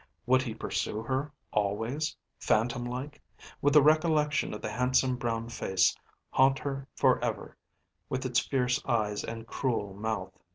Would he pursue her always, phantom like? Would the recollection of the handsome brown face haunt her for ever with its fierce eyes and cruel mouth?